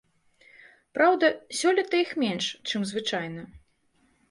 Праўда, сёлета іх менш, чым звычайна.